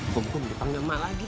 kum kum datang gak mak lagi